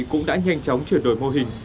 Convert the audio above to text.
cũng đã nhanh chóng chuyển đổi mô hình